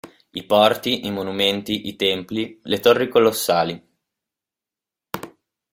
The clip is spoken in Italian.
I porti, i monumenti, i templi, le torri colossali.